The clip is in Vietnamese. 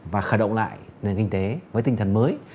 và khởi động lại nền kinh tế với tinh thần mới